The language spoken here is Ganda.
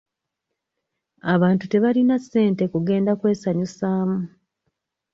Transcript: Abantu tebalina ssente kugenda kwesanyusaamu.